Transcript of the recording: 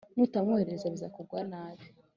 Nutamwohereza bizakugwa nabi!